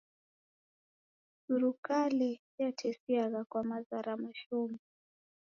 Surukale yatesiagha kwa maza ra mashomo.